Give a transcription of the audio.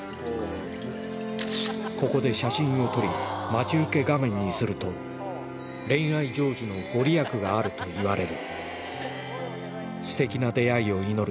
ここで写真を撮り待ち受け画面にすると恋愛成就の御利益があるといわれるすてきな出会いを祈る